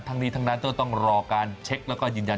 ทั้งนี้ทั้งนั้นก็ต้องรอการเช็คแล้วก็ยืนยัน